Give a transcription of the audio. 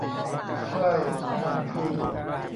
ใช่ มันคือ ?